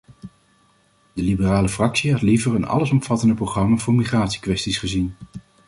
De liberale fractie had liever een allesomvattend programma voor migratiekwesties gezien.